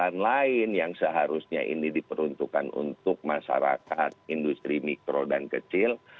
dan lain yang seharusnya ini diperuntukkan untuk masyarakat industri mikro dan kecil